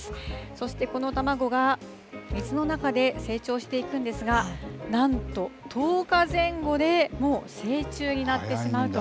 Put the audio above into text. そしてこの卵が水の中で成長していくんですが、なんと１０日前後で、もう成虫になってしまうと。